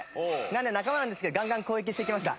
なので仲間なんですけどガンガン攻撃していきました。